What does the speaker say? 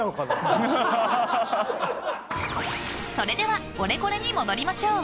［それではオレコレに戻りましょう］